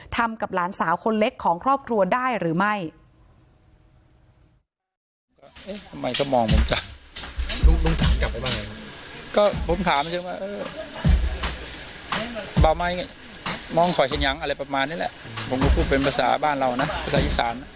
ทำกับหลานสาวคนเล็กของครอบครัวได้หรือไม่